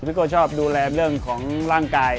พี่โก้ชอบดูแลเรื่องของร่างกาย